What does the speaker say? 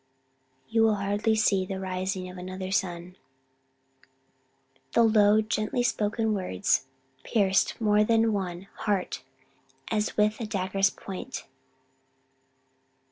"You will hardly see the rising of another sun." The low, gently spoken words pierced more than one heart as with a dagger's point.